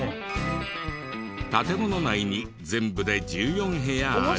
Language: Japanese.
建物内に全部で１４部屋あり。